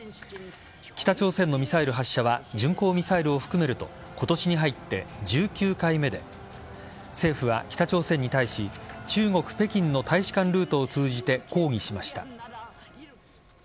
北朝鮮のミサイル発射は巡航ミサイルを含めると今年に入って１９回目で政府は北朝鮮に対し中国・北京の大使館ルートを通じて抗議しました。